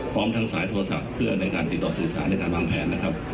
พร้อมทั้งสายโทรศัพท์เพื่อในการติดต่อสื่อสารในการวางแผนนะครับ